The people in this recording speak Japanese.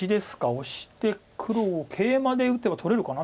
オシて黒をケイマで打てば取れるかな。